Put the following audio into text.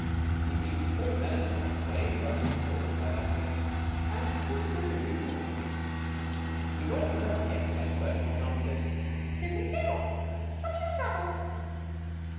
He seemed so melancholy that I interrupted his thoughts by asking : O " And what could you do for me ?" He brightened up again as I spoke, and answered : "Who can tell? What are your troubles